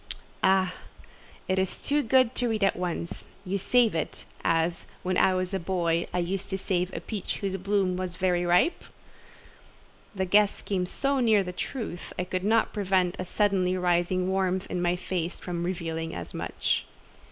"Ah! it is too good to read at once; you save it, as, when I was a boy, I used to save a peach whose bloom was very ripe?" The guess came so near the truth, I could not prevent a suddenly rising warmth in my face from revealing as much.